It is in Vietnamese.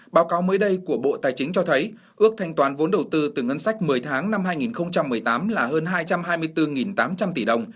báo cáo mới đây của bộ tài chính cho thấy ước thanh toán vốn đầu tư từ ngân sách một mươi tháng năm hai nghìn một mươi tám là hơn hai trăm hai mươi bốn tám trăm linh tỷ đồng